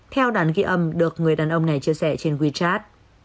theo đàn ghi âm được người đàn ông này chia sẻ trên wechat